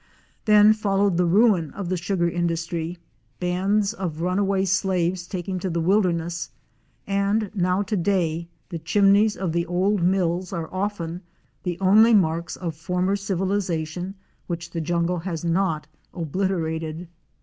Then followed the ruin of the sugar industry, bands of run away slaves taking to the wilderness; and now to day, the chimneys of the old mills are often the only marks of former civilization which the jungle has not obliterated.